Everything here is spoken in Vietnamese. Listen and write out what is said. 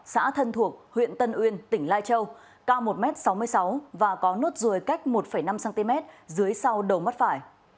xã thân thuộc huyện tân uyên tỉnh lai châu cao một m sáu mươi sáu và có nốt ruồi cách một năm cm dưới sau đầu mắt phải